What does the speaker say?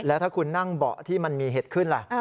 แล้วถ้าคุณนั่งเบาะที่มันมีเห็ดขึ้นล่ะ